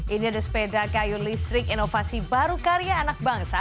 ini ada sepeda kayu listrik inovasi baru karya anak bangsa